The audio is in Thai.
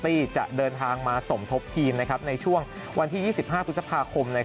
จะเดินทางมาสมทบทีมในช่วงวันที่๒๕พฤษภาคม